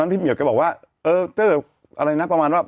พี่เหี่ยวแกบอกว่าเออเตอร์อะไรนะประมาณว่า